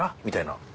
みたいな。